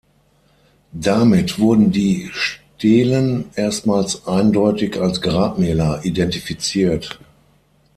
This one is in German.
Damit wurden die Stelen erstmals eindeutig als Grabmäler identifiziert.